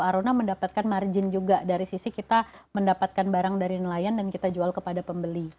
aruna mendapatkan margin juga dari sisi kita mendapatkan barang dari nelayan dan kita jual kepada pembeli